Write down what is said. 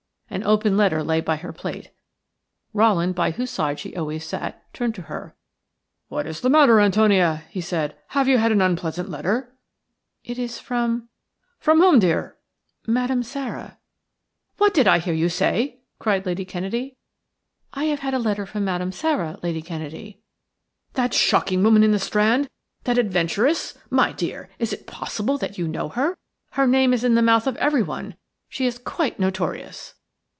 An open letter lay by her plate. Rowland, by whose side she always sat, turned to her. "What is the matter, Antonia?" he said. "Have you had an unpleasant letter?" "It is from –" "From whom, dear?" "Madame Sara." "What did I hear you say?" cried Lady Kennedy. "I have had a letter from Madame Sara, Lady Kennedy." "That shocking woman in the Strand – that adventuress? My dear, is it possible that you know her? Her name is in the mouth of everyone. She is quite notorious."